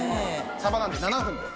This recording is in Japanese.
サバなので７分で。